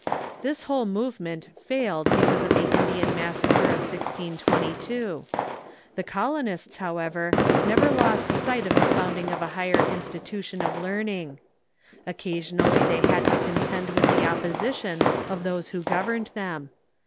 This whole movement failed because of the Indian massacre of 1622. The colonists, how ever, never lost sight of the founding of a higher institution of learning. Occasionally they had to contend with the op position of those who governed them.